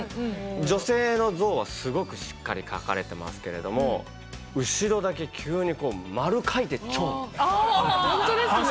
女性の像はすごくしっかり描かれてますけれども後ろだけ急にこうあ！ほんとですね。